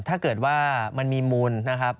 ถ้าเกิดว่ามันมีมูล